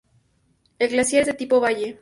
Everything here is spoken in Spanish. El glaciar es de tipo valle.